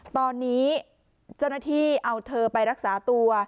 ตอนนี้เจ้าหน้าที่เอาเธอไปรักษาตัว